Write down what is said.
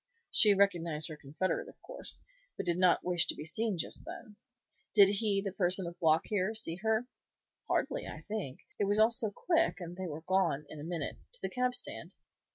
"She recognized her confederate, of course, but did not wish to be seen just then. Did he, the person with Block here, see her?" "Hardly, I think; it was all so quick, and they were gone, in a minute, to the cab stand."